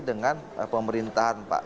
dengan pemerintahan pak